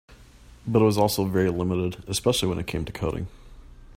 But it was also very limited, especially when it came to coding.